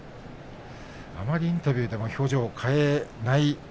あまりインタビューでも表情を変えない。